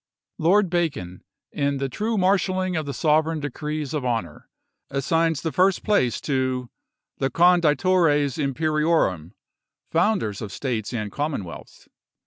" Lord Bacon, in ' the true marshaling of the sov ereign degrees of honor,' assigns the first place to ' the Conditores Imperiorum, founders of States and Commonwealths